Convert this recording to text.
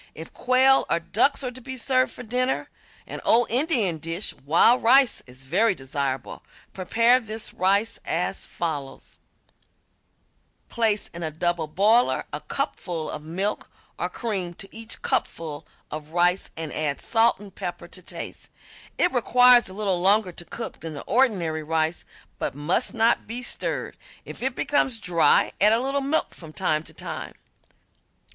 If quail or ducks are to be served for dinner, an old Indian dish, wild rice, is very desirable. Prepare this rice as follows: Place in a double boiler a cupful of milk or cream to each cupful of rice and add salt and pepper to taste. It requires a little longer to cook than the ordinary rice, but must not be stirred. If it becomes dry add a little milk from time to time.